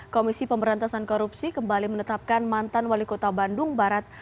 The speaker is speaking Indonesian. komisi pemberantasan korupsi kembali menetapkan mantan wali kota bandung barat